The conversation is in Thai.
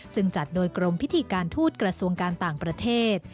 ซึ่งจัดโดยกรมพิธีการทูตกระทรวงการต่างประเทศ